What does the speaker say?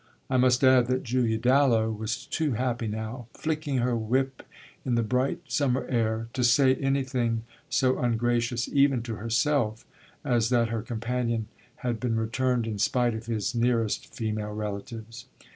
I must add that Julia Dallow was too happy now, flicking her whip in the bright summer air, to say anything so ungracious even to herself as that her companion had been returned in spite of his nearest female relatives.